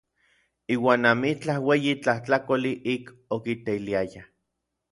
Iuan amitlaj ueyi tlajtlakoli ik okiteiliayaj.